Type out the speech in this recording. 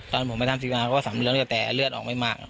ตอนผมมาทำสิทธิ์นานเขินว่าสำเร็จเองแต่เลือดออกไม่มาก